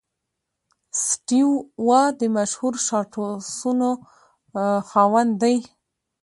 سټیو وا د مشهور شاټسونو خاوند دئ.